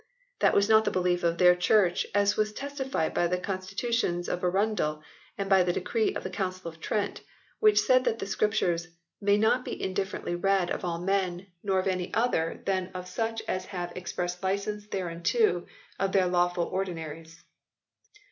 That was not the belief of their Church, as was testified by the Consti tutions of Arundel and by that decree of the Council of Trent which said that the Scriptures " may not be indifferently read of all men, nor of any other than of such as have express licence thereunto of their law ful ordinaries."